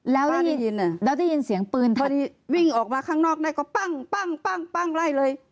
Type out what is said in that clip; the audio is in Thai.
แล้วได้ยินแล้วได้ยินเสียงปืนพอดีวิ่งออกมาข้างนอกได้ก็ปั้งปั้งปั้งปั้งไล่เลย